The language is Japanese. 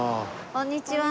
こんにちは。